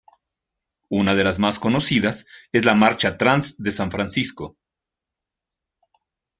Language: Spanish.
Una de las más conocidas es la Marcha Trans de San Francisco.